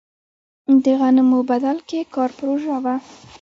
د غنمو بدل کې کار پروژه وه.